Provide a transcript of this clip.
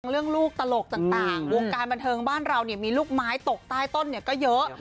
เรื่องลูกตลกต่างวงการบันเทิงบ้านเรามีลูกไม้ตกใต้ต้นก็เยอะ